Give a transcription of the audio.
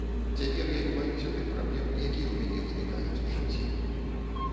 Цяпер я не баюся тых праблем, якія ў мяне ўзнікаюць у жыцці.